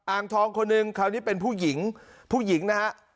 อ่างทองคนหนึ่งคราวนี้เป็นผู้หญิงผู้หญิงนะฮะ